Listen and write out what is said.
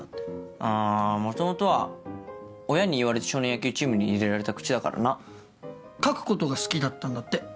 あぁ元々は親に言われて少年野球チームに入れられた口だからな。書くことが好きだったんだって。